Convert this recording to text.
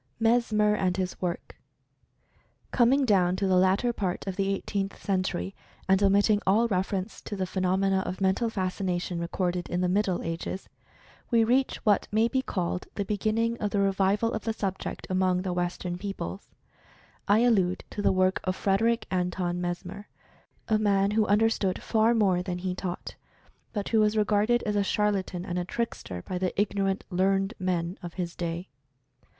MESMER AND HIS WORK. Coming down to the latter part of the Eighteenth Century and omitting all reference to the phenomena of Mental Fascination recorded in the Middle Ages, we reach what may be called the beginning of the re vival of the subject among the Western peoples. I allude to the work of Frederick Anton Mesmer, a man who understood far more than he taught, but who was regarded as a charlatan and a trickster by the ignorant "learned men" of his day.